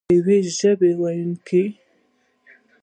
د یوې ژبې ویونکي.